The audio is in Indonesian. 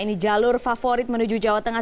ini jalur favorit menuju jawa tengah